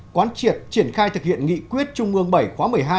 quán triệt triển khai thực hiện nghị quyết trung ương bảy khóa một mươi hai